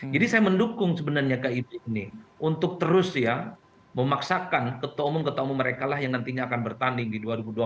jadi saya mendukung sebenarnya kib ini untuk terus ya memaksakan ketua umum ketua umum mereka lah yang nantinya akan bertanding di dua ribu dua puluh empat